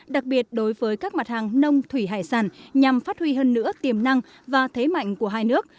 đặc biệt đối với các mặt hàng nông thủy hải sản nhằm phát huy hơn nữa tiềm năng và thế mạnh của hai nước